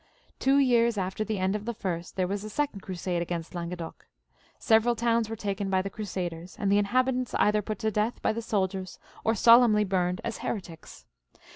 Two^ears after the end of the firsts there was a second crusade against Languedoc. Several towns were taken by the crusaders, and the inhabitants either put to death by the soldiers, or solemnly burned as heretics.